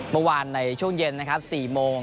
เมื่อวานในช่วงเย็นนะครับ๔โมง